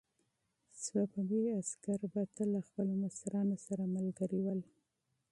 صفوي عسکر به تل له خپلو مشرانو سره ملګري ول.